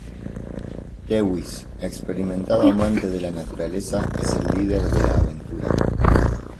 Lewis, experimentado amante de la naturaleza, es el líder de la aventura.